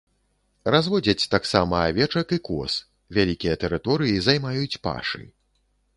Разводзяць таксама авечак і коз, вялікія тэрыторыі займаюць пашы.